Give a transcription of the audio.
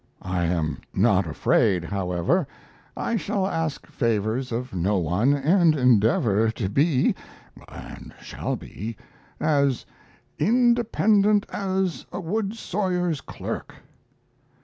I am not afraid, however; I shall ask favors of no one and endeavor to be (and shall be) as "independent as a wood sawyer's clerk."...